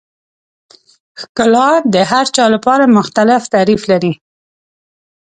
ښکلا د هر چا لپاره مختلف تعریف لري.